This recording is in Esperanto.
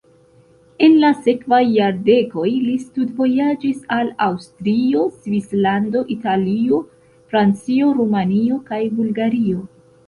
En la sekvaj jardekoj li studvojaĝis al Aŭstrio, Svislando, Italio, Francio, Rumanio kaj Bulgario.